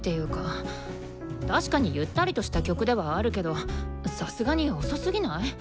確かにゆったりとした曲ではあるけどさすがに遅すぎない？